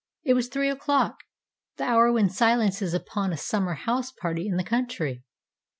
It was three o'clock, the hour when silence is upon a summer house party in the country.